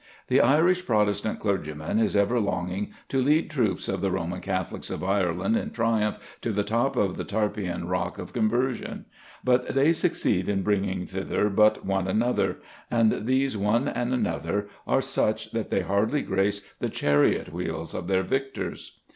The Irish Protestant clergyman is ever longing to lead troops of the Roman Catholics of Ireland in triumph to the top of the Tarpeian rock of conversion; but they succeed in bringing thither but one and another, and these one and another are such that they hardly grace the chariot wheels of their victors.